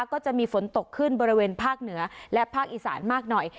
ก็จะมีฝนตกขึ้นบริเวณภาคเหนือและภาคอีสานมากหน่อย